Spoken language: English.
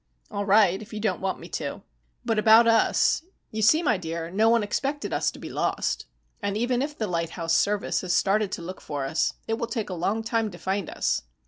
"All right, if you don't want me to. But about us you see, my dear, no one expected us to be lost. And even if the Lighthouse Service has started to look for us, it'll take a long time to find us."